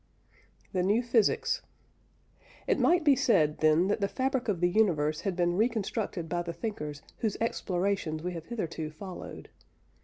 THE NEW PHYSICS. It might be said, then, that the fabric of the universe had been reconstructed by the thinkers whose explorations we have hitherto followed.